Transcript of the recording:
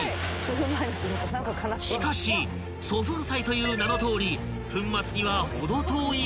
［しかしそ粉砕という名のとおり粉末には程遠い大きさ］